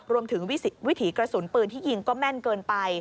วิถีกระสุนปืนที่ยิงก็แม่นเกินไป